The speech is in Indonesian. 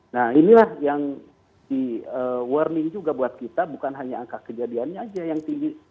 nah inilah yang di warning juga buat kita bukan hanya angka kejadiannya aja yang tinggi